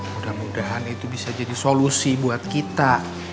mudah mudahan itu bisa jadi solusi buat kita